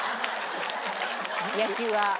野球は。